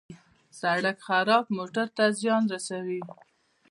سړک خراب موټر ته زیان رسوي.